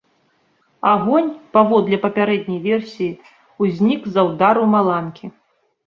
Агонь, паводле папярэдняй версіі, узнік з-за ўдару маланкі.